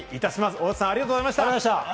大畑さん、ありがとうございました。